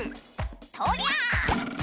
とりゃあ！